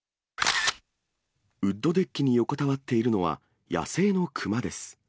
ウッドデッキに横たわっているのは野生のクマです。